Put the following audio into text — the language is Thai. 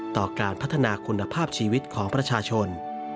ต่อการพัฒนาคุณภาพชีวิตของประชาชน